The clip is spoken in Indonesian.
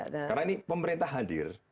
karena ini pemerintah hadir